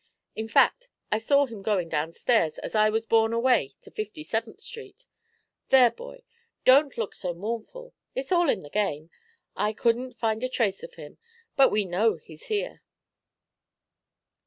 In fact, I saw him going downstairs as I was borne away to Fifty seventh Street. There, boy, don't look so mournful; it's all in the game. I couldn't find a trace of him; but we know he's here.'